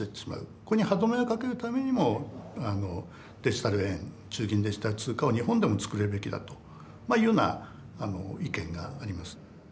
これに歯止めをかけるためにもデジタル円中銀デジタル通貨は日本でも作るべきだというような意見があります。